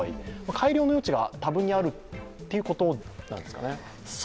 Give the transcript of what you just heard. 改良の余地が多分にあるということなんでしょうね。